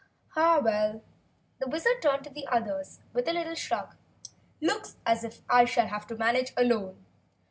"Ha, well," the Wizard turned to the others with a little shrug. "Looks as if I shall have to manage alone.